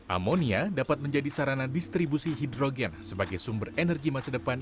amonia dapat menjadi sarana distribusi hidrogen sebagai sumber energi masa depan